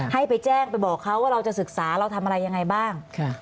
ให้ไปแจ้งเขาบอกว่าเราจะศึกษาทำอะไรอย่างไรบ้าง